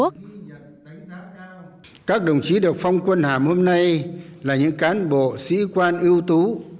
các đồng chí được phong quân hàm hôm nay là những cán bộ sĩ quan ưu tú